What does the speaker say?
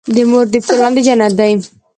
د مور د پښو لاندې جنت دی.